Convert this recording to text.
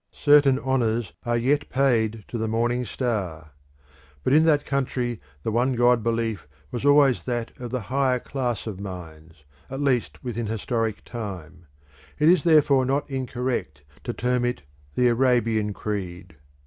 Certain honours are yet paid to the morning star. But in that country the one god belief was always that of the higher class of minds, at least within historic time; it is therefore not incorrect to term it the Arabian creed.